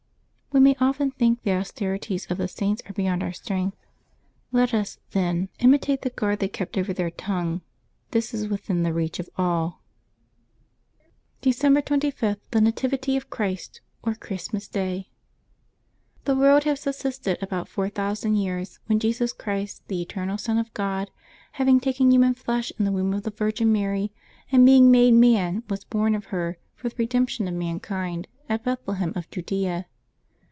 — We may often think the austerities of the Saints are beyond our strength; let us, then, imitate the 386 LIYE8 OF TEE SAINTS [Decembeb 25 guard they kept over their tongue. This is within the reach of all. December 25.— THE NATIVITY OF CHRIST, OR CHRISTMAS DAY. CHE world had subsisted about four thousand years when Jesus Christ, the eternal Son of God, having taken human flesh in the womb of the Virgin Mary, and being made man, was born of her, for the redemption of mankind, at Bethlehem of Judea.